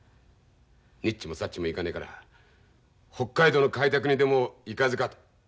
にっちもさっちもいかねえから北海道の開拓にでも行かずかと。